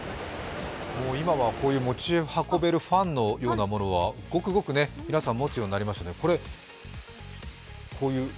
今は持ち運べるファンのようなものは、ごくごく皆さん持つようになりましたね。